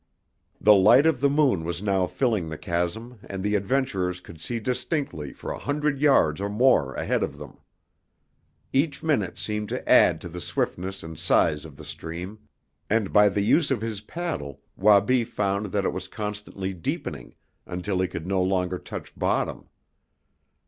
The light of the moon was now filling the chasm and the adventurers could see distinctly for a hundred yards or more ahead of them. Each minute seemed to add to the swiftness and size of the stream, and by the use of his paddle Wabi found that it was constantly deepening, until he could no longer touch bottom.